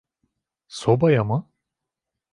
Sobaya mı?